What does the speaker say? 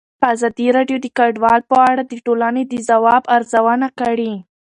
ازادي راډیو د کډوال په اړه د ټولنې د ځواب ارزونه کړې.